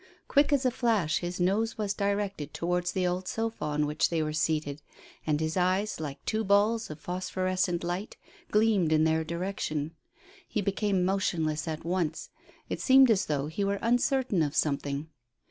Quick as a flash his nose was directed towards the old sofa on which they were seated, and his eyes, like two balls of phosphorescent light, gleamed in their direction. He became motionless at once. It seemed as though he were uncertain of something.